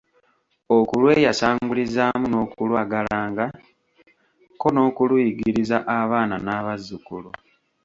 Okulweyasangulizaamu n’okulwagalanga ko n’okuluyigiriza abaana n’abazzukulu